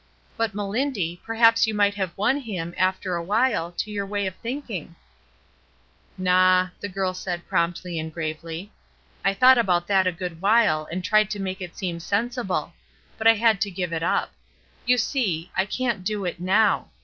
"But, Melindy, perhaps you might have won him, after a while, to your way of thinking." 264 ESTER RIED'S NAMESAKE *'Naw," the girl said promptly and gravely. ''I thought about that a good while and tried to make it seem sensible; but I had to give it up. You see, / canH do it now.